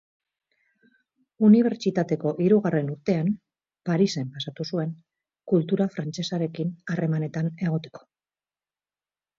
Unibertsitateko hirugarren urtean, Parisen pasatu zuen, kultura frantsesarekin harremanetan egoteko.